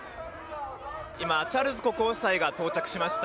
今、チャールズ国王夫妻が到着しました。